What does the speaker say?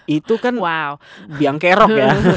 itu kan wow biang kerok ya